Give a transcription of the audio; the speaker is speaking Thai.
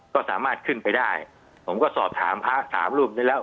ก็สามารถขึ้นไปได้ผมก็สอบถามพระสามรูปนี้แล้ว